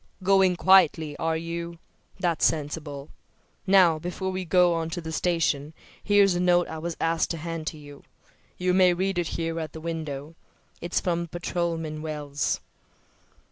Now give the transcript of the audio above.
Going quietly, are you? That's sensible. Now, before we go on to the station here's a note I was asked to hand you. You may read it here at the window. It's from Patrolman Wells."